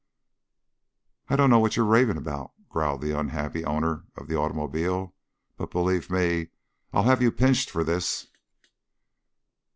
"I dunno what you're ravin' about," growled the unhappy owner of the automobile. "But, believe me, I'll have you pinched for this."